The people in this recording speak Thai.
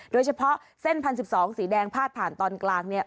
โดยเฉพาะเส้นพันสิบสองสีแดงพาดผ่านตอนกลาง